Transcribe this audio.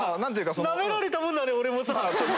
ナメられたもんだね俺もさ。